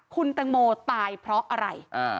คุณแตงโมตายเพราะอะไร